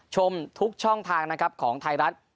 ชมทุกช่องทางนะครับของไทยรัฐ